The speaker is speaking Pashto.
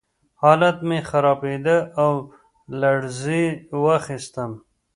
حالت مې خرابېده او لړزې واخیستم